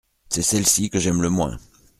C’est celle-ci que j’aime le moins.